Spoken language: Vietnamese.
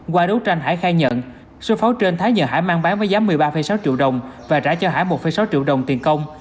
qua đấu tranh hải khai nhận số pháo trên thái nhờ hải mang bán với giá một mươi ba sáu triệu đồng và trả cho hải một sáu triệu đồng tiền công